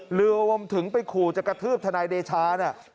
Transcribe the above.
หรือว่าถึงไปขู่จะกระทืบทนายเดชาน่ะ